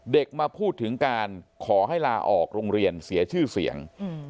มาพูดถึงการขอให้ลาออกโรงเรียนเสียชื่อเสียง